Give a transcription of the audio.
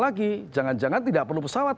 lagi jangan jangan tidak perlu pesawat